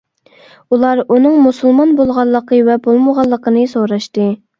ئۇلار ئۇنىڭ مۇسۇلمان بولغانلىقى ۋە بولمىغانلىقىنى سوراشتى.